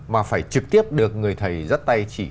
mà phải trực tiếp được người thầy dắt tay chỉ